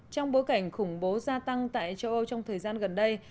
trong bối cảnh khủng bố gia tăng tại châu âu trong thời gian gần đây